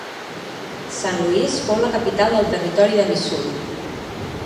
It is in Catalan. St. Louis fou la capital del territori de Missouri.